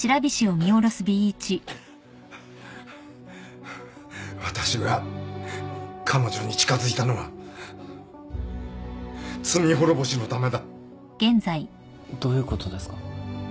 ハァハァ私が彼女に近づいたのは罪滅ぼしのためだどういうことですか？